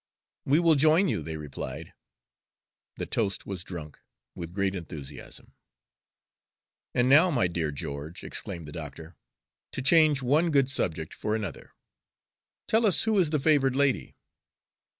"We will join you," they replied. The toast was drunk with great enthusiasm. "And now, my dear George," exclaimed the doctor, "to change one good subject for another, tell us who is the favored lady?"